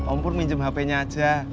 om pur minjem hpnya aja